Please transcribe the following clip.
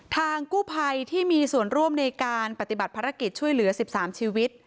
ทางกู้ภัยที่มีส่วนร่วมในการปฏิบัติภารกิจช่วยเหลือ๑๓ชีวิต